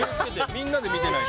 みんなで見てないと。